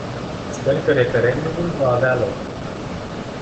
Sper că referendumul va avea loc.